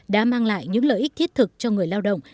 đã mang lại những lợi ích thiết thực cho người lao động